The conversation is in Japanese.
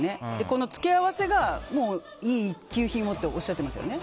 この付け合わせが一級品っておっしゃってましたよね。